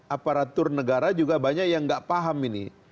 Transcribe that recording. aparatur negara juga banyak yang nggak paham ini